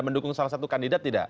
mendukung salah satu kandidat tidak